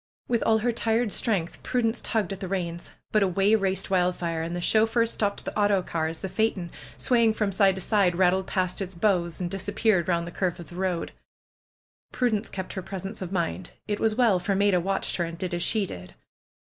With all her tired strength Prudence tugged at the reins. But away raced Wildfire. And the chauffeur stopped the autocar as the phaeton, swaying from side to side, rattled past its '^bows'^ and disappeared round a curve of the road. Prudence kept her presence of mind. It was well, for Maida watched her, and did as she did.